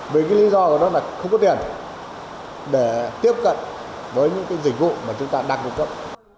vì cái lý do của nó là không có tiền để tiếp cận với những cái dịch vụ mà chúng ta đang cung cấp